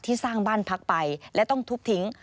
สร้างบ้านพักไปและต้องทุบทิ้ง